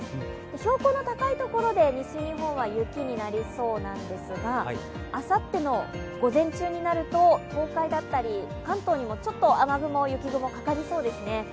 標高の高い所で西日本は雪になりそうなんですがあさっての午前中になると東海だったり関東で雨雲、雪雲がかかりそうですね。